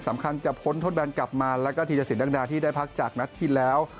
สำคัญจะพ้นทดแบนกลับมาแล้วก็ธีรสินดังดาที่ได้พักจากนัดที่แล้ว